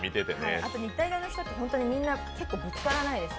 あと、日体大の人って結構みんな、ぶつからないです。